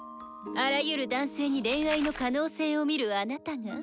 あらゆる男性に恋愛の可能性を見るあなたが。